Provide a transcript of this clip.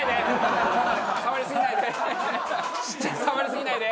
触りすぎないで！